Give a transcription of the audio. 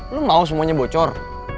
lo mau semuanya bocor